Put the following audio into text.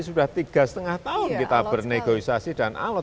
sudah tiga lima tahun kita bernegosiasi dan alot